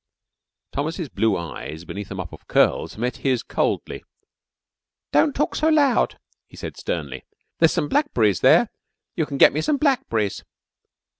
Thomas's blue eyes, beneath a mop of curls, met his coldly. "Don't talk so loud," he said sternly. "There's some blackberries there. You can get me some blackberries."